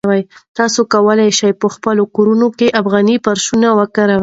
تاسي کولای شئ په خپلو کورونو کې افغاني فرشونه وکاروئ.